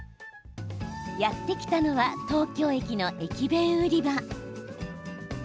やって来たのは東京駅の駅弁売り場。